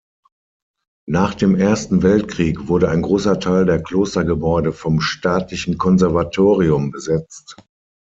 Nach dem Ersten Weltkrieg wurde ein großer Teil der Klostergebäude vom staatlichen Konservatorium besetzt.